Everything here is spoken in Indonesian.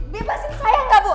bebasin saya enggak bu